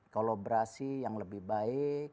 kolaborasi yang lebih baik